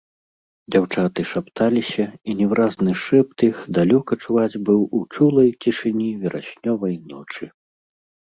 Дзяўчаты шапталіся, і невыразны шэпт іх далёка чуваць быў у чулай цішыні вераснёвай ночы.